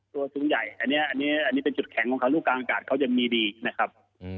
พอสูงใหญ่อันนี้เป็นจุดแข็งของเขารูปการ์ะากาศจะมีดีนี้นะครับ